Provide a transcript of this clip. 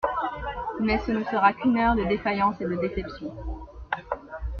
Mais ce ne sera qu'une heure de défaillance et de déception.